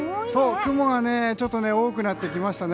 雲がちょっと多くなってきましたね。